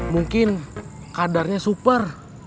mungkin kadarnya super